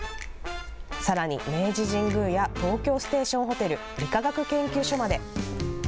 さらに明治神宮や東京ステーションホテル、理化学研究所まで。